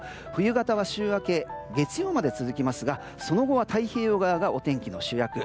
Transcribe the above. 冬型は週明け月曜まで続きますがその後は太平洋側がお天気の主役。